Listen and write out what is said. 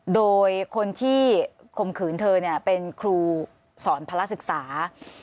โดยคนที่คมขืนเธอเนี่ยเป็นครูสอนพละศึกษา